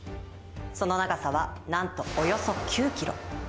その長さはなんと、およそ９キロ。